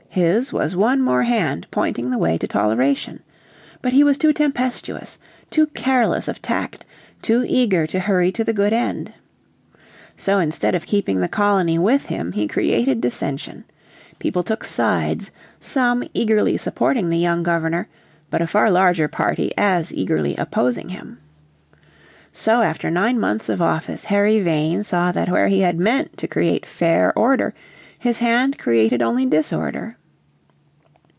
His was one more hand pointing the way to toleration. But he was too tempestuous, too careless of tact, too eager to hurry to the good end. So instead of keeping the colony with him he created dissension. People took sides, some eagerly supporting the young Governor, but a far larger party as eagerly opposing him. So after nine months of office Harry Vane saw that where he had meant to create fair order his hand created only disorder.